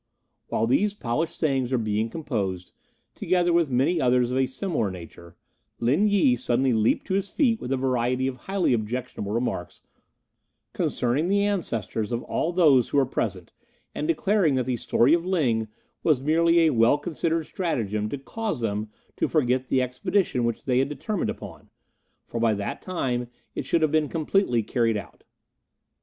While these polished sayings were being composed, together with many others of a similar nature, Lin Yi suddenly leapt to his feet with a variety of highly objectionable remarks concerning the ancestors of all those who were present, and declaring that the story of Ling was merely a well considered stratagem to cause them to forget the expedition which they had determined upon, for by that time it should have been completely carried out.